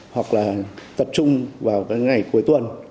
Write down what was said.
hoặc là tập trung vào cái ngày cuối tuần